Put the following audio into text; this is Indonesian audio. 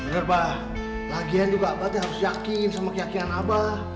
benar mbah lagian juga abah harus yakin sama keyakinan abah